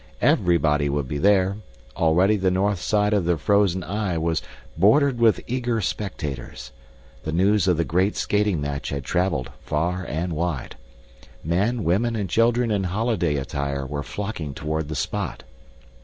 Everybody would be there already the north side of the frozen Y was bordered with eager spectators. The news of the great skating match had traveled far and wide. Men, women, and children in holiday attire were flocking toward the spot.